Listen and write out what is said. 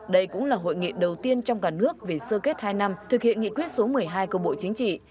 đây cũng là hội nghị đầu tiên trong cả nước về sơ kết hai năm thực hiện nghị quyết số một mươi hai của bộ chính trị